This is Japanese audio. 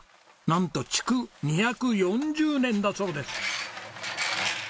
なんと築２４０年だそうです。